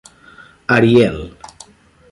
Ariel.